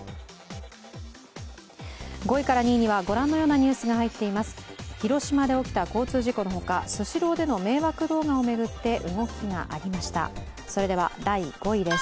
５位から２位にはご覧のようなニュースが入っています。